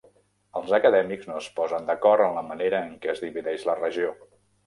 Els acadèmics no es posen d'acord en la manera en què es divideix la regió.